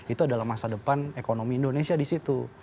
itu adalah masa depan ekonomi indonesia di situ